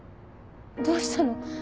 どうしたの？